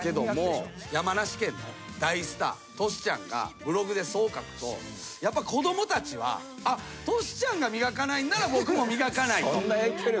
山梨県の大スタートシちゃんがブログでそう書くとやっぱ子供たちはトシちゃんが磨かないなら僕も磨かないと。